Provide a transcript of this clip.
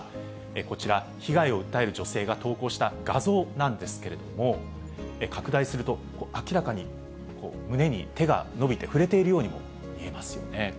こちら、被害を訴える女性が投稿した画像なんですけれども、拡大すると、明らかに胸に手が伸びて、触れているようにも見えますよね。